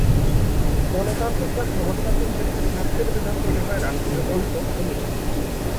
গণতান্ত্রিক বা সমাজতান্ত্রিক দেশের শাস্তির বিধান তৈরি হয় রাষ্ট্রীয় দর্শন ও নীতি থেকে।